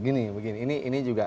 gini begini ini juga